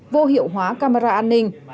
vô hiệu hóa camera an ninh